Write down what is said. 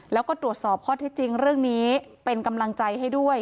แล้วก็ตรวจสอบข้อที่จริงเรื่องนี้เป็นกำลังใจให้ด้วย